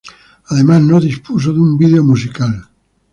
Además, no dispuso de un vídeo musical.